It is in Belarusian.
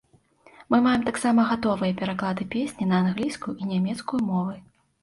Мы маем таксама гатовыя пераклады песні на англійскую і нямецкую мову.